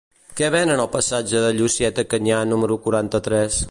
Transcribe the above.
Què venen al passatge de Llucieta Canyà número quaranta-tres?